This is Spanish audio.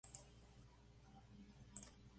En el espacio de la Montaña Rusa hay nuevos juegos.